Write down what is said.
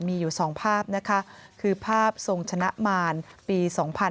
มีอยู่๒ภาพนะคะคือภาพทรงชนะมารปี๒๕๕๙